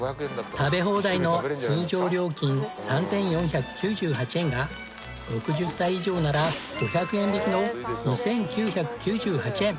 食べ放題の通常料金３４９８円が６０歳以上なら５００円引きの２９９８円。